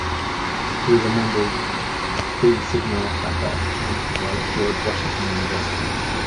He was a member of Phi Sigma Kappa fraternity while at George Washington University.